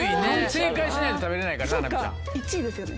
正解しないと食べれないからね。